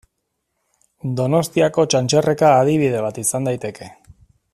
Donostiako Txantxerreka adibide bat izan daiteke.